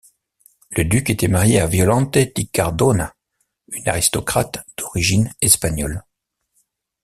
Le Duc était marié à Violante di Cardona, une aristocrate d'origine espagnole.